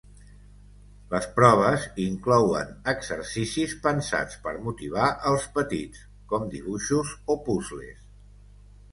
Les proves inclouen exercicis pensats per motivar els petits, com dibuixos o puzles.